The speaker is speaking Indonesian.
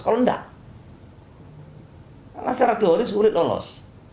kalau tidak secara teori sudah lolos